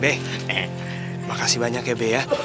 be makasih banyak ya be ya